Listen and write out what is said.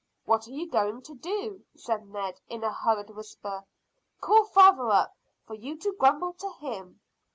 "What are you going to do?" said Ned, in a hurried whisper. "Call father up, for you to grumble to him."